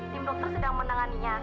tim dokter sedang menangani dia